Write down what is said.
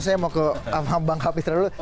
saya mau ke bang kapitra dulu